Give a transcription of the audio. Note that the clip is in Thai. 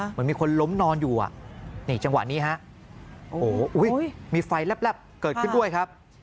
เหมือนมีคนล้มนอนอยู่อ่ะนี่จังหวะนี้ฮะโอ้โหมีไฟแลบเกิดขึ้นด้วยครับ